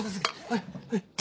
はいはい。